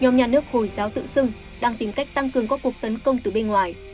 nhóm nhà nước hồi giáo tự xưng đang tìm cách tăng cường các cuộc tấn công từ bên ngoài